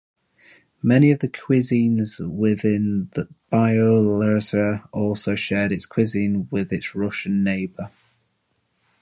Many of the cuisines within Byelorussia also shared its cuisine with its Russian neighbour.